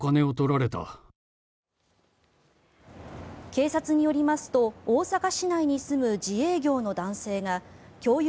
警察によりますと大阪市内に住む自営業の男性が共有